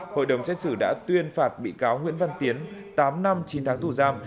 hội đồng xét xử đã tuyên phạt bị cáo nguyễn văn tiến tám năm chín tháng tù giam